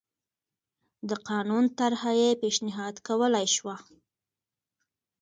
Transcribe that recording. د قانون طرحه یې پېشنهاد کولای شوه